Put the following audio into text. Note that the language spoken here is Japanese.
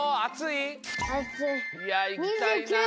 いやいきたいな！